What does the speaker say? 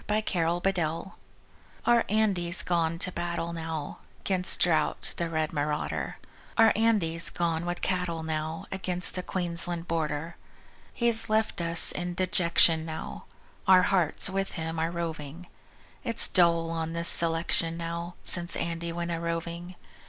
Andy's Gone With Cattle Our Andy's gone to battle now 'Gainst Drought, the red marauder; Our Andy's gone with cattle now Across the Queensland border. He's left us in dejection now; Our hearts with him are roving. It's dull on this selection now, Since Andy went a droving.